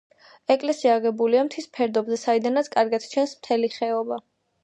ეკლესია აგებულია მთის ფერდობზე საიდანაც კარგად ჩანს მთელი ხეობა.